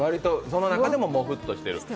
その中でもモフッとしている。